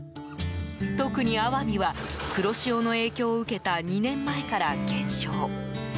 特にアワビは、黒潮の影響を受けた２年前から減少。